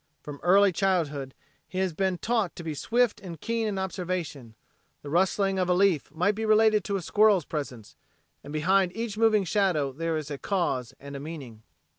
From early childhood he had been taught to be swift and keen in observation the rustling of a leaf might be related to a squirrel's presence, and behind each moving shadow there is a cause and a meaning.